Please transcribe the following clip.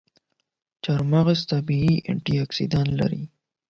چارمغز طبیعي انټياکسیدان لري.